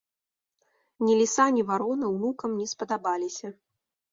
Ні ліса, ні варона ўнукам не спадабаліся.